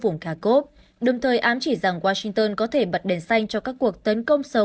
vùng cacov đồng thời ám chỉ rằng washington có thể bật đèn xanh cho các cuộc tấn công sâu